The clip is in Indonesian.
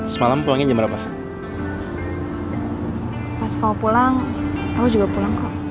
semalam pulangnya jauh